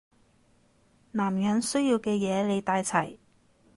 男人需要嘅嘢你帶齊